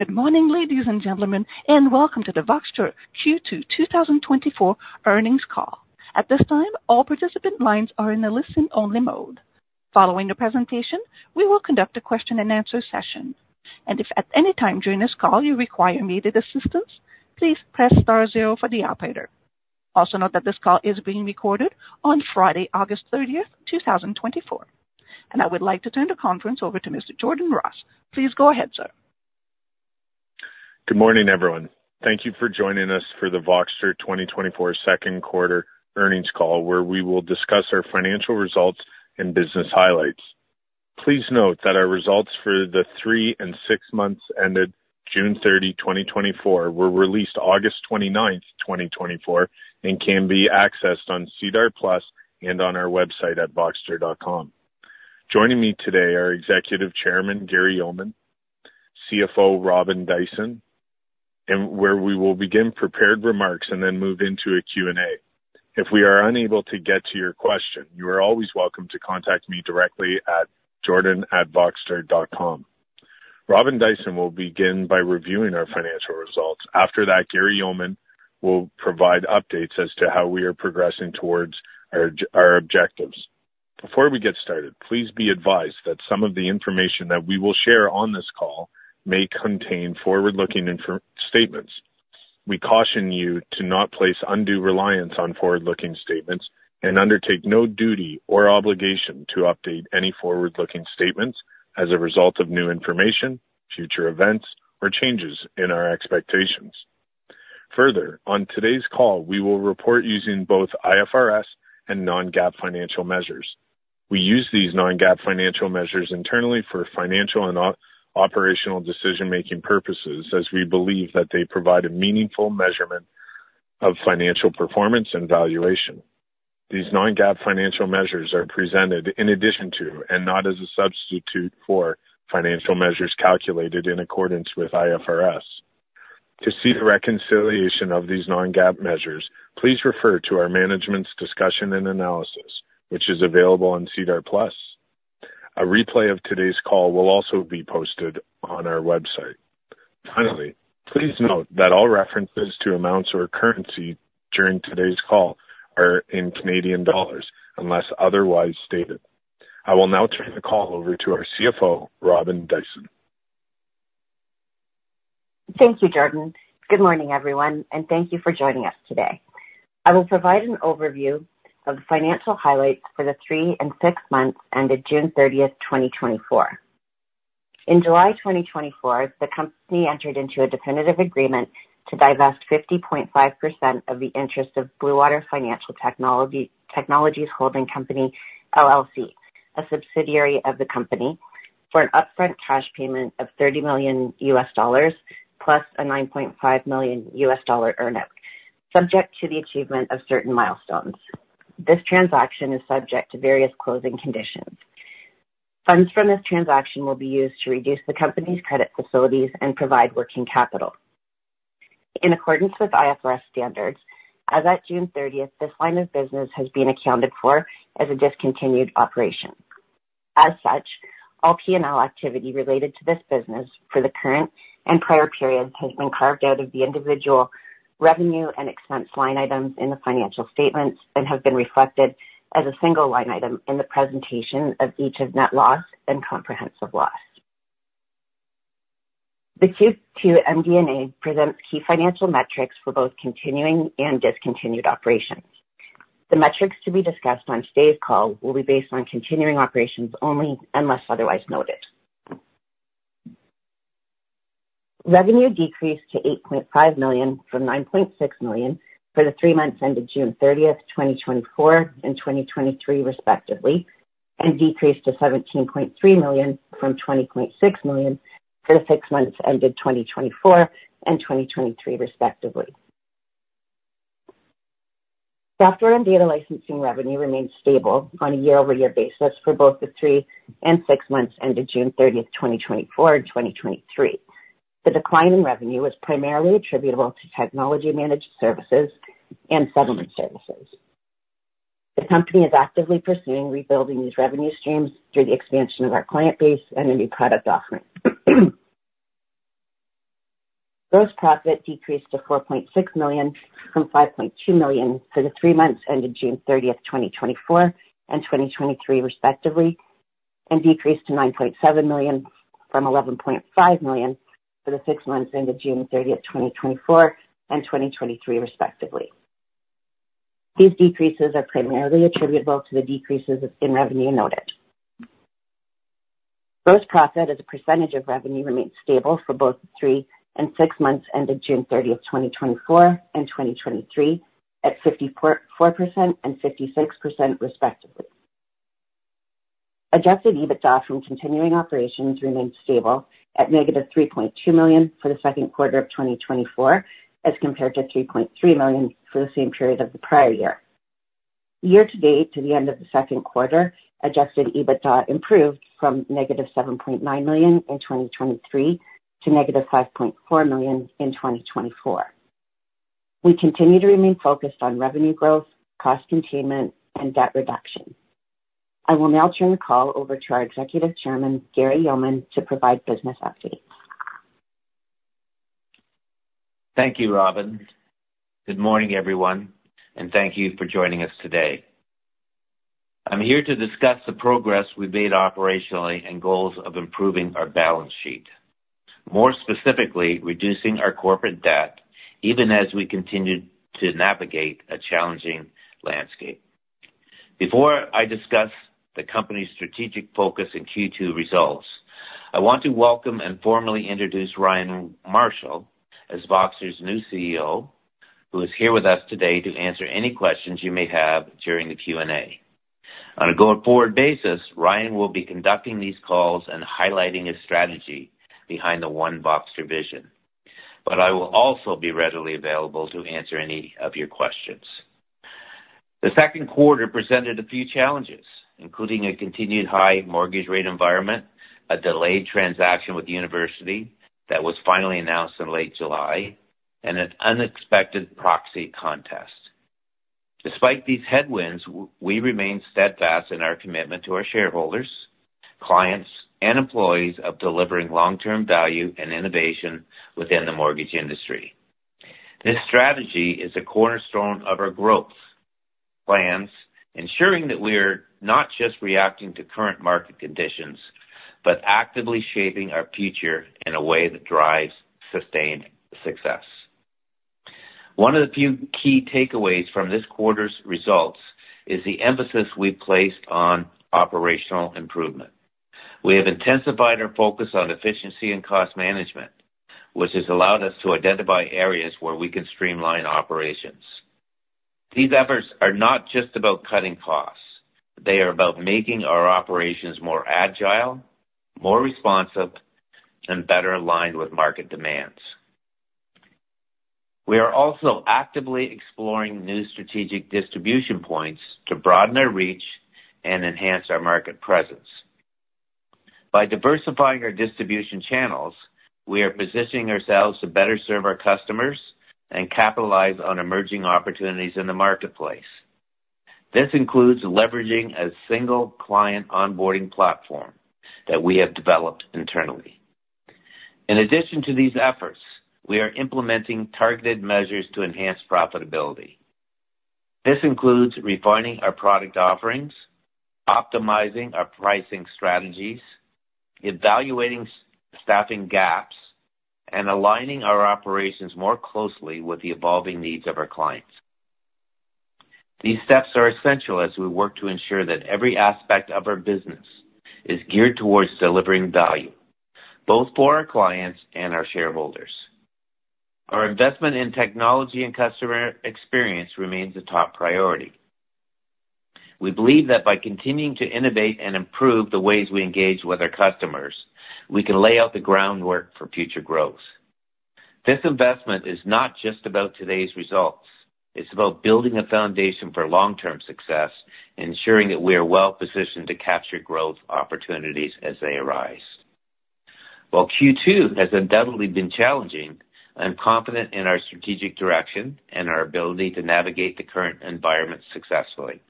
Good morning, ladies and gentlemen, and Welcome to the Voxtur Q2 2024 Earnings Call. At this time, all participant lines are in a listen-only mode. Following the presentation, we will conduct a question-and-answer session. And if at any time during this call you require immediate assistance, please press star zero for the operator. Also, note that this call is being recorded on Friday, August 30th, 2024. And I would like to turn the conference over to Mr. Jordan Ross. Please go ahead, sir. Good morning, everyone. Thank you for joining us for the Voxtur 2024 Second Quarter Earnings Call, where we will discuss our financial results and business highlights. Please note that our results for the three and six months ended June 30, 2024, were released August 29, 2024, and can be accessed on SEDAR+ and on our website at voxtur.com. Joining me today are Executive Chairman Gary Yeoman, CFO Robin Dyson, and where we will begin prepared remarks and then move into a Q&A. If we are unable to get to your question, you are always welcome to contact me directly at jordan@voxtur.com. Robin Dyson will begin by reviewing our financial results. After that, Gary Yeoman will provide updates as to how we are progressing towards our objectives. Before we get started, please be advised that some of the information that we will share on this call may contain forward-looking statements. We caution you to not place undue reliance on forward-looking statements and undertake no duty or obligation to update any forward-looking statements as a result of new information, future events, or changes in our expectations. Further, on today's call, we will report using both IFRS and non-GAAP financial measures. We use these non-GAAP financial measures internally for financial and operational decision-making purposes, as we believe that they provide a meaningful measurement of financial performance and valuation. These non-GAAP financial measures are presented in addition to, and not as a substitute for, financial measures calculated in accordance with IFRS. To see the reconciliation of these non-GAAP measures, please refer to our management's discussion and analysis, which is available on SEDAR+. A replay of today's call will also be posted on our website. Finally, please note that all references to amounts or currency during today's call are in CAD, unless otherwise stated. I will now turn the call over to our CFO, Robin Dyson. Thank you, Jordan. Good morning, everyone, and thank you for joining us today. I will provide an overview of the financial highlights for the three and six months ended June 30th, 2024. In July 2024, the company entered into a definitive agreement to divest 50.5% of the interest of Blue Water Financial Technologies Holding Company, LLC, a subsidiary of the company, for an upfront cash payment of $30 million, plus a $9.5 million earnout, subject to the achievement of certain milestones. This transaction is subject to various closing conditions. Funds from this transaction will be used to reduce the company's credit facilities and provide working capital. In accordance with IFRS standards, as at June 30th, this line of business has been accounted for as a discontinued operation. As such, all P&L activity related to this business for the current and prior periods has been carved out of the individual revenue and expense line items in the financial statements and have been reflected as a single line item in the presentation of each of net loss and comprehensive loss. The Q2 MD&A presents key financial metrics for both continuing and discontinued operations. The metrics to be discussed on today's call will be based on continuing operations only unless otherwise noted. Revenue decreased to 8.5 million from 9.6 million for the three months ended June 30th, 2024 and 2023, respectively, and decreased to 17.3 million from 20.6 million for the six months ended 2024 and 2023, respectively. Software and data licensing revenue remained stable on a year-over-year basis for both the three and six months ended June 30th, 2024 and 2023. The decline in revenue was primarily attributable to technology managed services and settlement services. The company is actively pursuing rebuilding these revenue streams through the expansion of our client base and a new product offering. Gross profit decreased to 4.6 million from 5.2 million for the three months ended June 30th, 2024 and 2023, respectively, and decreased to 9.7 million from 11.5 million for the six months ended June 30th, 2024 and 2023, respectively. These decreases are primarily attributable to the decreases in revenue noted. Gross profit as a percentage of revenue remained stable for both the three and six months ended June 30th, 2024 and 2023, at 54.4% and 56%, respectively. Adjusted EBITDA from continuing operations remained stable at -3.2 million for the second quarter of 2024, as compared to 3.3 million for the same period of the prior year. Year to date, to the end of the second quarter, Adjusted EBITDA improved from -7.9 million in 2023 to -5.4 million in 2024. We continue to remain focused on revenue growth, cost containment, and debt reduction. I will now turn the call over to our Executive Chairman, Gary Yeoman, to provide business updates. Thank you, Robin. Good morning, everyone, and thank you for joining us today. I'm here to discuss the progress we've made operationally and goals of improving our balance sheet. More specifically, reducing our corporate debt even as we continue to navigate a challenging landscape. Before I discuss the company's strategic focus in Q2 results, I want to welcome and formally introduce Ryan Marshall as Voxtur's new CEO, who is here with us today to answer any questions you may have during the Q&A. On a going-forward basis, Ryan will be conducting these calls and highlighting his strategy behind the One Voxtur vision, but I will also be readily available to answer any of your questions. The second quarter presented a few challenges, including a continued high mortgage rate environment, a delayed transaction with the university that was finally announced in late July, and an unexpected proxy contest. Despite these headwinds, we remain steadfast in our commitment to our shareholders, clients, and employees of delivering long-term value and innovation within the mortgage industry. This strategy is a cornerstone of our growth plans, ensuring that we're not just reacting to current market conditions, but actively shaping our future in a way that drives sustained success. One of the few key takeaways from this quarter's results is the emphasis we've placed on operational improvement. We have intensified our focus on efficiency and cost management, which has allowed us to identify areas where we can streamline operations. These efforts are not just about cutting costs, they are about making our operations more agile, more responsive, and better aligned with market demands. We are also actively exploring new strategic distribution points to broaden our reach and enhance our market presence. By diversifying our distribution channels, we are positioning ourselves to better serve our customers and capitalize on emerging opportunities in the marketplace. This includes leveraging a single client onboarding platform that we have developed internally. In addition to these efforts, we are implementing targeted measures to enhance profitability. This includes refining our product offerings, optimizing our pricing strategies, evaluating staffing gaps, and aligning our operations more closely with the evolving needs of our clients. These steps are essential as we work to ensure that every aspect of our business is geared towards delivering value, both for our clients and our shareholders. Our investment in technology and customer experience remains a top priority. We believe that by continuing to innovate and improve the ways we engage with our customers, we can lay out the groundwork for future growth. This investment is not just about today's results. It's about building a foundation for long-term success and ensuring that we are well-positioned to capture growth opportunities as they arise. While Q2 has undoubtedly been challenging, I'm confident in our strategic direction and our ability to navigate the current environment successfully.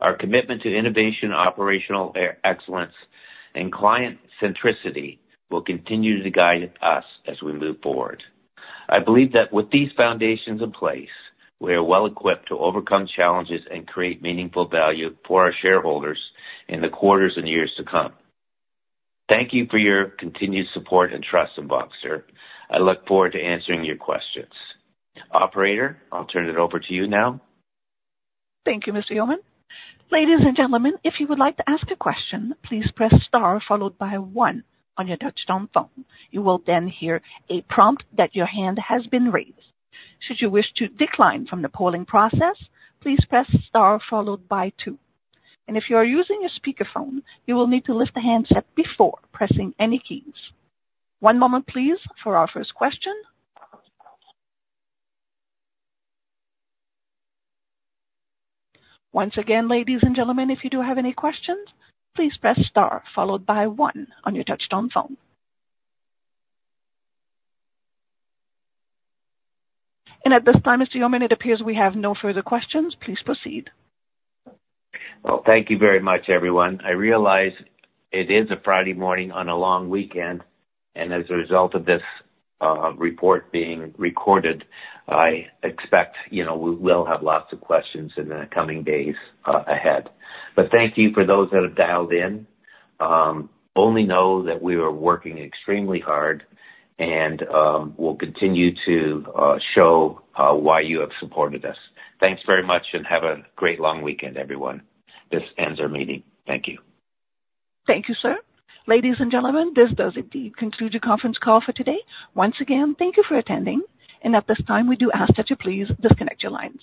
Our commitment to innovation, operational excellence, and client centricity will continue to guide us as we move forward. I believe that with these foundations in place, we are well equipped to overcome challenges and create meaningful value for our shareholders in the quarters and years to come. Thank you for your continued support and trust in Voxtur. I look forward to answering your questions. Operator, I'll turn it over to you now. Thank you, Mr. Yeoman. Ladies and gentlemen, if you would like to ask a question, please press star followed by one on your touch-tone phone. You will then hear a prompt that your hand has been raised. Should you wish to decline from the polling process, please press star followed by two. And if you are using a speakerphone, you will need to lift the handset before pressing any keys. One moment please for our first question. Once again, ladies and gentlemen, if you do have any questions, please press star followed by one on your touch-tone phone. And at this time, Mr. Yeoman, it appears we have no further questions. Please proceed. Well, thank you very much, everyone. I realize it is a Friday morning on a long weekend, and as a result of this report being recorded, I expect, you know, we will have lots of questions in the coming days, ahead. But thank you for those that have dialed in. Only know that we are working extremely hard and, we'll continue to show why you have supported us. Thanks very much and have a great long weekend, everyone. This ends our meeting. Thank you. Thank you, sir. Ladies and gentlemen, this does indeed conclude your conference call for today. Once again, thank you for attending, and at this time, we do ask that you please disconnect your lines.